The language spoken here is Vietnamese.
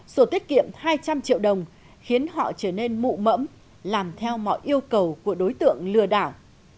sổ tiết kiệm hai trăm linh triệu đồng khiến họ trở nên mụm làm theo mọi yêu cầu của đối tượng lừa đảo